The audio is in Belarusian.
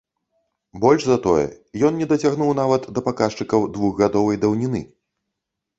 Больш за тое, ён не дацягнуў нават да паказчыкаў двухгадовай даўніны.